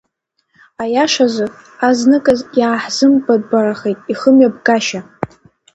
Аиашазы, азныказ иааҳзымбатәбарахеит ихымҩаԥгашьа.